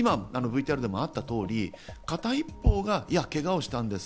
ＶＴＲであったとおり片一方がけがをしたんです。